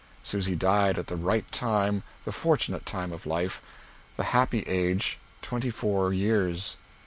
Susy died at the right time, the fortunate time of life; the happy age twenty four years.